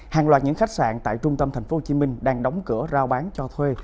hàng loạt những khách sạn tại trung tâm tp hcm đang đóng cửa rao bán cho thuê